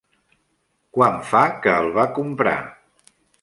Quant fa que el va comprar?